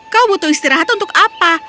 kau butuh istirahat untuk apa